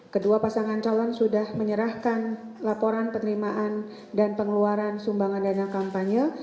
kedua pasangan calon sudah menyerahkan laporan penerimaan dan pengeluaran sumbangan dana kampanye